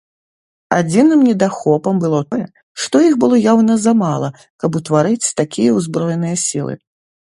Адзіным недахопам было тое, што іх было яўна замала, каб утварыць такія ўзброеныя сілы.